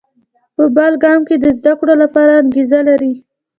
په بل ګام کې د زده کړو لپاره انګېزه لري.